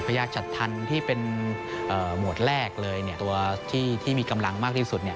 ยากจัดทันที่เป็นหมวดแรกเลยตัวที่มีกำลังมากที่สุด